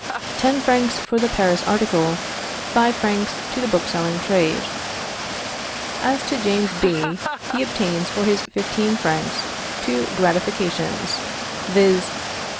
ten francs for the Paris article, five francs to the bookselling trade. As to James B., he obtains for his fifteen francs two gratifications, viz.